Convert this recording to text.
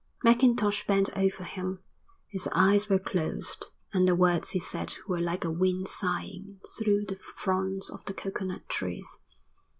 Mackintosh bent over him. His eyes were closed and the words he said were like a wind sighing through the fronds of the coconut trees.